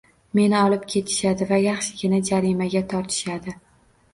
Meni olib ketishadi va yaxshigina jarimaga tortishadi